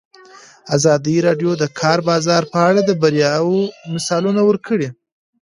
ازادي راډیو د د کار بازار په اړه د بریاوو مثالونه ورکړي.